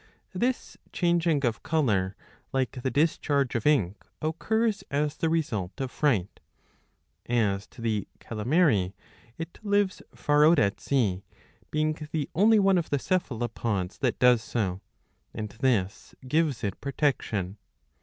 '^ This changing of colour, like the discharge of ink, occurs as the result of fright. As to the calamary, it lives far out at sea, being the only one of the Cephalopods that 679 a. iv. 5. 99 does so ; and this gives it protection.'